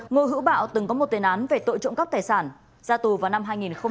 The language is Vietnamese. ngô hữu bạo từng có một tên án về tội trộm cắp tài sản ra tù vào năm hai nghìn một mươi